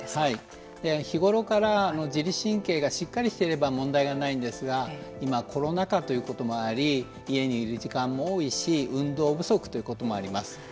日頃から自律神経がしっかりしていれば問題はないんですが今、コロナ禍ということもあり家にいる時間も多いし運動不足ということもあります。